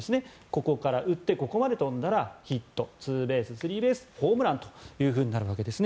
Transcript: ここから打ってここまで飛んだらヒットツーベース、スリーベースホームランとなるわけです。